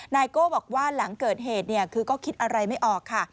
นายโก้บอกว่าหลังเกิดเหตุคือก็คิดอะไรไม่ออกค่ะ